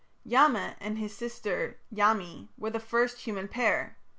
Yama and his sister Yami were the first human pair.